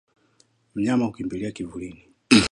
Mnyama hukimbilia kivulini